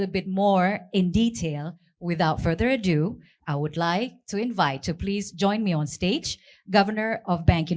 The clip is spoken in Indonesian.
jadi apa adalah peran indonesia di menjaga momentum peningkatan ekonomi di daerah